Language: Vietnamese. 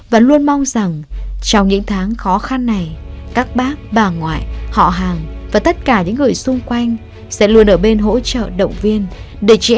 và luôn mong rằng trong những tháng khó khăn này các bác bà ngoại họ hàng và tất cả những người xung quanh sẽ luôn ở bên hỗ trợ động viên để chỉ anh chị và bố